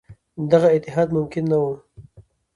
دغه اتحاد ممکن نه وو.